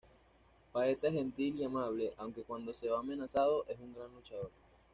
Peeta es gentil y amable, aunque cuando se ve amenazado, es un gran luchador.